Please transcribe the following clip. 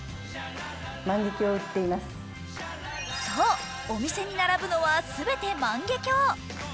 そう、お店に並ぶのは、全て万華鏡。